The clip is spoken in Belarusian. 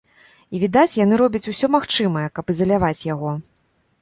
І відаць, яны робяць усё магчымае, каб ізаляваць яго.